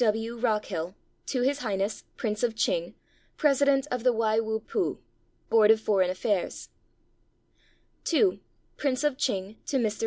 W. W. ROCKHILL. To His Highness, Prince of Ch'ing, President of the Wai Wu Pu [Board of Foreign Affairs], II PRINCE OF ch'ing TO MR.